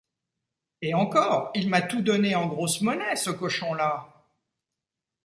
Et encore, il m’a tout donné en grosse monnaie, ce cochon-là.